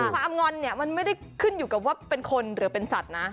ความงอนเนี่ยมันไม่ได้ขึ้นอยู่กับว่าเป็นคนหรือเป็นสัตว์นะ